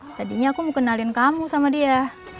tadinya aku mau kenalin kamu sama dia